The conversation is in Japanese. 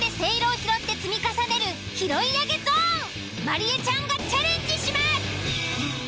［まりえちゃんがチャレンジします］